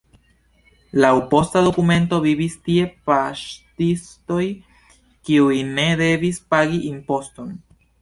Laŭ posta dokumento vivis tie paŝtistoj, kiuj ne devis pagi imposton.